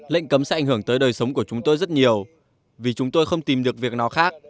lệnh cấm sẽ ảnh hưởng tới đời sống của chúng tôi rất nhiều vì chúng tôi không tìm được việc nào khác